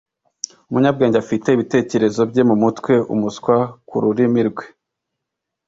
umunyabwenge afite ibitekerezo bye mumutwe; umuswa, ku rurimi rwe